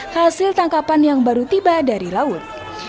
hasil tangkapan yang baru tiba dari laut